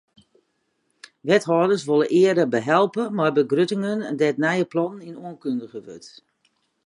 Wethâlders wolle eare behelje mei begruttingen dêr't nije plannen yn oankundige wurde.